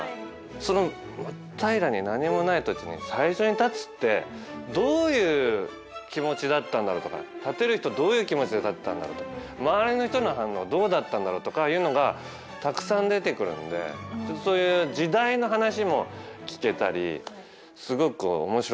その真っ平らに何もない土地に最初に建つってどういう気持ちだったんだろうとか建てる人どういう気持ちで建てたんだろうとか周りの人の反応どうだったんだろうとかいうのがたくさん出てくるんでそういう時代の話も聞けたりすごく面白かったです。